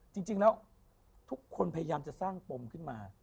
จริงแล้วทุกคนพยายามจะสร้างปมขึ้นมา